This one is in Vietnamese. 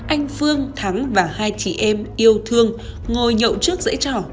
anh phương thắng và hai chị em yêu thương ngồi nhậu trước dãy trò